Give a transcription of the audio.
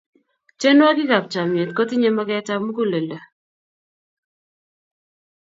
tienwokik ap chamyet kotinyei maket ap mukuleldo